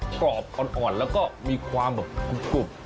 กรอบอ่อนแล้วก็มีความแบบกรุบ